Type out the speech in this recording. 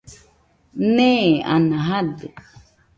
Nee, ana jadɨ